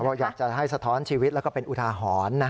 ว่าแหลภกจะให้ชีวิตแล้วก็เป็นอุทาหรณ์นะคะ